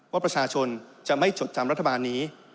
ว่าประชาชนจะไม่จดจำรัฐบาลนี้